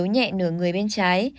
yếu nhẹ nửa người bên trái